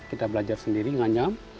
kita belajar sendiri menganyam